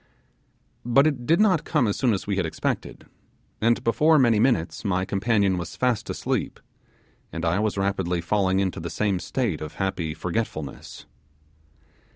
But it did not come as soon as we had expected, and before many minutes my companion was fast asleep, and I was rapidly falling into the same state of happy forgetfulness.